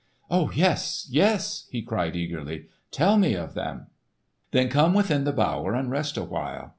"Yes, yes!" he cried eagerly. "Tell me of them!" "Then come within the bower and rest awhile.